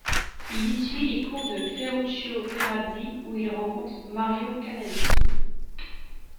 Il y suit les cours de Ferruccio Ferrazzi où il rencontre Mario Canali.